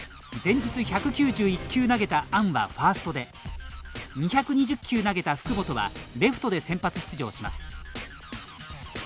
前日、１９１球投げたアンはファーストで２２０球投げた福本はレフトで先発出場します。